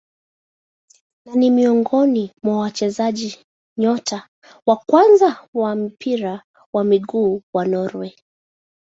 Na ni miongoni mwa wachezaji nyota wa kwanza wa mpira wa miguu wa Norway.